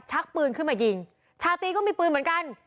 ชักปืนขึ้นมายิงชาตรีก็มีปืนเหมือนกัน